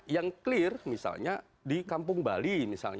yang clear misalnya di kampung bali misalnya